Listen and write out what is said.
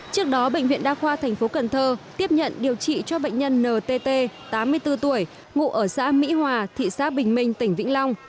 trước đó bệnh viện đa khoa thành phố cần thơ tiếp nhận điều trị cho bệnh nhân ntt tám mươi bốn tuổi ngụ ở xã mỹ hòa thị xã bình minh tỉnh vĩnh long